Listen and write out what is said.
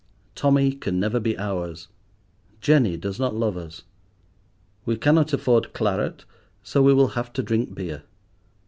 Tommy can never be ours, Jenny does not love us. We cannot afford claret, so we will have to drink beer.